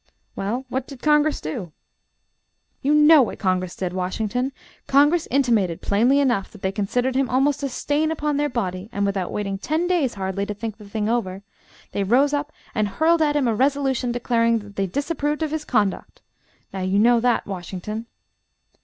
"Well, what did Congress do?" "You know what Congress did, Washington. Congress intimated plainly enough, that they considered him almost a stain upon their body; and without waiting ten days, hardly, to think the thing over, they rose up and hurled at him a resolution declaring that they disapproved of his conduct! Now you know that, Washington."